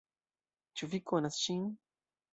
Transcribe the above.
Ĉu vi konas ŝin?